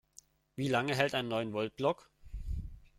Wie lange hält ein Neun-Volt-Block?